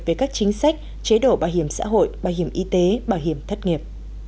về các chính sách chế độ bảo hiểm xã hội bảo hiểm y tế bảo hiểm thất nghiệp